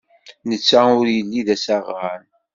Netta ur yelli d asaɣan.